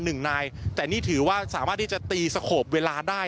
หนึ่งนายแต่นี่ถือว่าสามารถที่จะตีสโขบเวลาได้